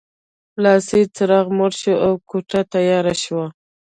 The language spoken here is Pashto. لاسي څراغ مړ شو او کوټه تیاره شوه